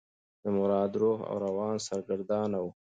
د مراد روح او روان سرګردانه و.